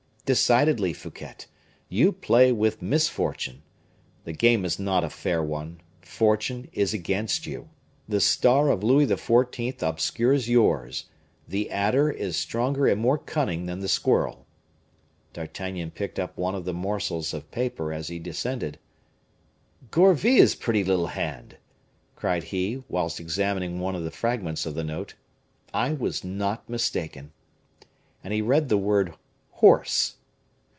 Decidedly, Fouquet, you play with misfortune! the game is not a fair one, fortune is against you. The star of Louis XIV. obscures yours; the adder is stronger and more cunning than the squirrel." D'Artagnan picked up one of these morsels of paper as he descended. "Gourville's pretty little hand!" cried he, whilst examining one of the fragments of the note; "I was not mistaken." And he read the word "horse."